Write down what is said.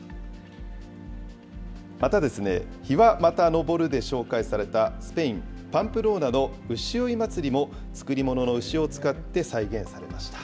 また、日はまた昇るで紹介された、スペイン・パンプローナの牛追い祭りも、作り物の牛を使って再現されました。